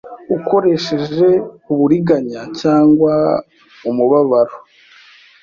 Ukoresheje uburiganya Cyangwa umubabaro